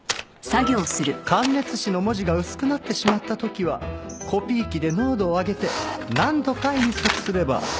感熱紙の文字が薄くなってしまった時はコピー機で濃度を上げて何度か印刷すれば。